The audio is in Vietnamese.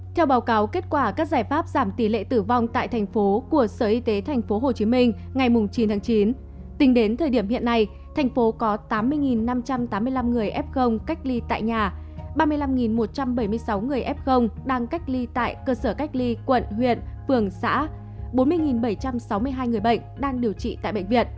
các bạn hãy đăng ký kênh để ủng hộ kênh của chúng mình nhé